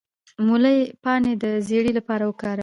د مولی پاڼې د زیړي لپاره وکاروئ